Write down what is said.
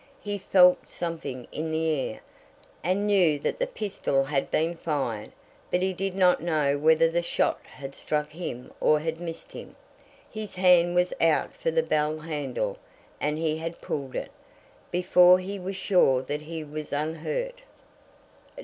He felt something in the air, and knew that the pistol had been fired; but he did not know whether the shot had struck him or had missed him. His hand was out for the bell handle, and he had pulled it, before he was sure that he was unhurt.